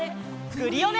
クリオネ！